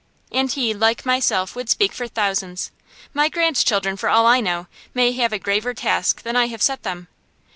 And he, like myself, would speak for thousands. My grandchildren, for all I know, may have a graver task than I have set them.